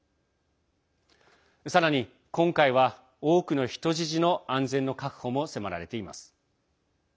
さらに今回は、多くの人質の安全の確保も迫られています。